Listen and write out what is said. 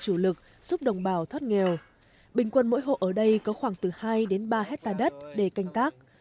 cây dứa đang là cây chủ lực giúp đồng bào thoát nghèo bình quân mỗi hộ ở đây có khoảng từ hai đến ba hectare đất để canh tác